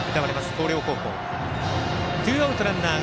広陵高校。